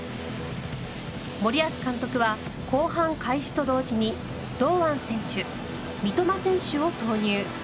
森保監督は後半開始と同時に堂安選手三笘選手を投入。